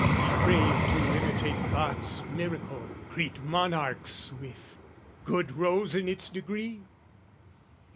We grave to imitate God's miracle, Greet monarchs with, good rose in its degree?